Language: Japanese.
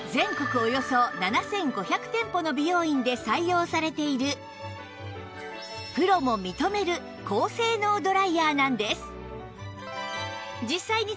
およそ７５００店舗の美容院で採用されているプロも認める高性能ドライヤーなんです